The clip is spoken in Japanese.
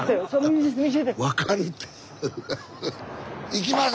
行きます！